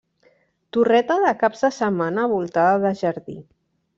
Torreta de caps de setmana voltada de jardí.